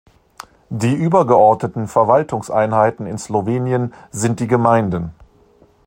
Die übergeordneten Verwaltungseinheiten in Slowenien sind die Gemeinden.